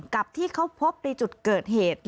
กับที่เขาพบในจุดเกิดเหตุ